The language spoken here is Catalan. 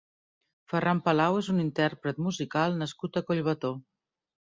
Ferran Palau és un intèrpret musical nascut a Collbató.